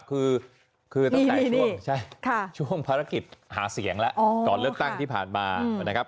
คือตั้งแต่ช่วงภารกิจหาเสียงแล้วก่อนเลือกตั้งที่ผ่านมานะครับ